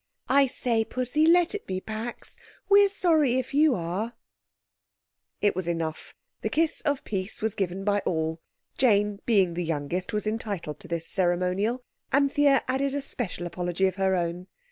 "I say, Pussy, let it be pax! We're sorry if you are—" It was enough. The kiss of peace was given by all. Jane being the youngest was entitled to this ceremonial. Anthea added a special apology of her own.